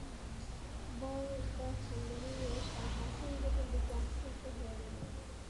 বরদাসুন্দরীও তাহার পরিবর্তন দেখিয়া আশ্চর্য হইয়া গেলেন।